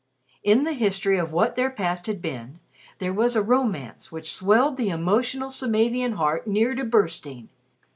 In the history of what their past had been, there was a romance which swelled the emotional Samavian heart near to bursting.